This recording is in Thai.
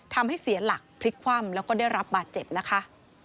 ทำให้เสียหลักพลิกคว่ำแล้วก็ได้รับบาดเจ็บนะคะ